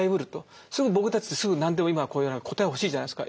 僕たちってすぐ何でも今答えが欲しいじゃないですか。